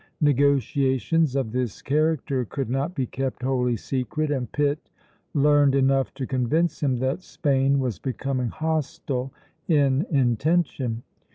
Negotiations of this character could not be kept wholly secret, and Pitt learned enough to convince him that Spain was becoming hostile in intention.